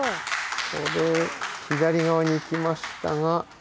これ左がわにいきましたが。